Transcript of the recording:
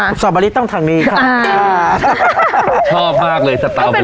โอ้เต็มได้ไหมคะต้องทางนี้ค่ะชอบมากเลยต้องเป็นผลไม้